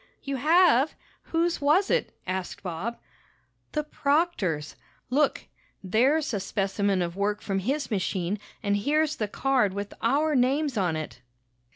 "You have? Whose was it?" asked Bob. "The proctor's! Look, there's a specimen of work from his machine and here's the card with our names on it."